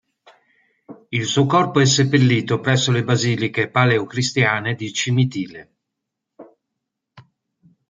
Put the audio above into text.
Il suo corpo è seppellito presso le Basiliche paleocristiane di Cimitile.